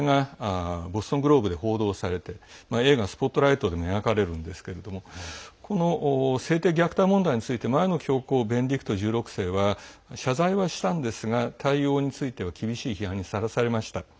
これが報道されて映画「スポットライト」でも描かれるんですけれども性的虐待問題について前の教皇ベネディクト１６世は謝罪をしたんですが厳しい批判にさらされました。